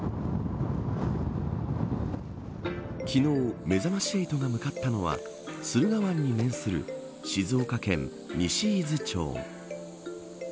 昨日めざまし８が向かったのは駿河湾に面する静岡県西伊豆町。